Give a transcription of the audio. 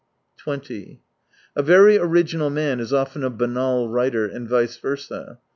20 A very original man is often a banal writer, and vice versa.